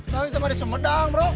nangis sama di semedang bro